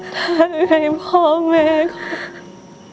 ถ้าใครพ่อแม่ค่ะ